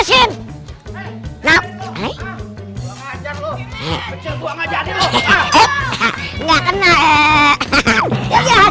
tidak tau itu lo yang nanya